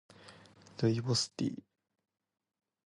ルイボスティー